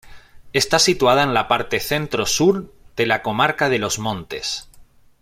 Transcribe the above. Está situada en la parte centro-sur de la comarca de Los Montes.